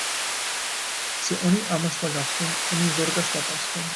Se oni amas la gaston, oni zorgas la paston.